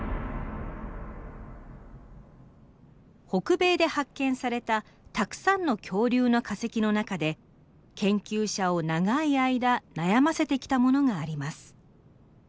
北米で発見されたたくさんの恐竜の化石の中で研究者を長い間悩ませてきたものがあります。